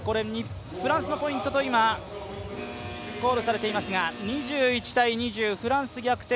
フランスのポイントとコールされていますが２１−２０、フランス逆転。